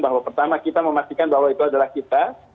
bahwa pertama kita memastikan bahwa itu adalah kita